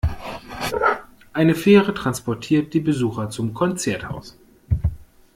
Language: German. Eine Fähre transportiert die Besucher zum Konzerthaus.